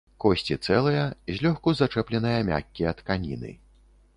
Косці цэлыя, злёгку зачэпленыя мяккія тканіны.